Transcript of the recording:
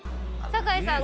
坂井さん